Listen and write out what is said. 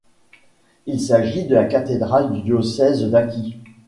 Il s'agit de la cathédrale du diocèse d'Acqui.